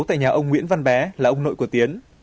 tại nhà ông nguyễn văn bé là ông nội của tiến